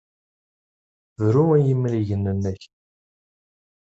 Bru i yimrigen-nnek!